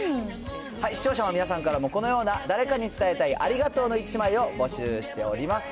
視聴者の皆さんからも、このような誰かに伝えたいありがとうの１枚を募集しております。